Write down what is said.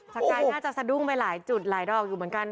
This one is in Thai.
สกายน่าจะสะดุ้งไปหลายจุดหลายดอกอยู่เหมือนกัน